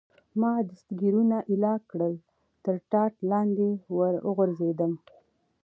ما دستګیرونه ایله کړل، تر ټاټ لاندې ور وغورځېدم.